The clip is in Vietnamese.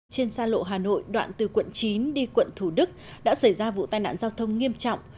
trên xa lộ hà nội đoạn từ quận chín đi quận thủ đức đã xảy ra vụ tai nạn giao thông nghiêm trọng